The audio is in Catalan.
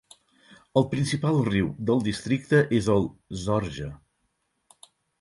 Els principal riu del districte és el Zorge.